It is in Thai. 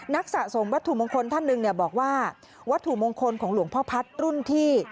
สะสมวัตถุมงคลท่านหนึ่งเนี่ยบอกว่าวัตถุมงคลของหลวงพ่อพัฒน์รุ่นที่